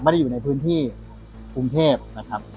ไม่ได้อยู่ในพื้นที่ภูมิเทพนะครับ